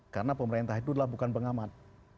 karena pemerintah itu adalah bukan pengamat